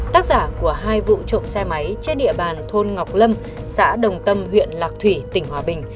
tác giả của hai vụ trộm xe máy trên địa bàn thôn ngọc lâm xã đồng tâm huyện lạc thủy tỉnh hòa bình